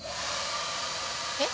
えっ？